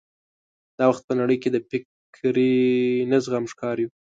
دا وخت په نړۍ کې د فکري نه زغم ښکار یو.